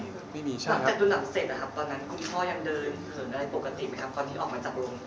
พอที่ออกมาจากโรงภาพยนตร์